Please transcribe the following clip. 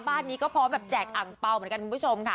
บ้านนี้ก็พร้อมแบบแจกอังเปล่าเหมือนกันคุณผู้ชมค่ะ